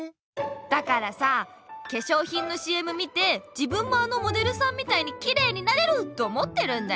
だからさけしょうひんのＣＭ見て自分もあのモデルさんみたいにきれいになれると思ってるんだよ。